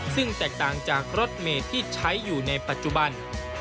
ซึ่งแตกต่างจากรถเมย์ที่ใช้อยู่ในปัจจุบัน